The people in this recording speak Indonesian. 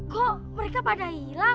kok mereka pada hilang